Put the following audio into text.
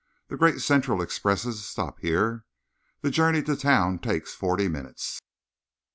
The Great Central expresses stop here. The journey to town takes forty minutes.